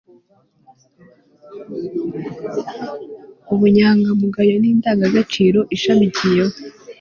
ubunyangamugayo ni indangagaciro ishamikiyeho